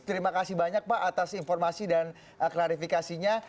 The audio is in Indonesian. terima kasih banyak pak atas informasi dan klarifikasinya